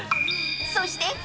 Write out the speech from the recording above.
［そして］